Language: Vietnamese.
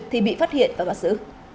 thì bị phát hiện và bắt giữ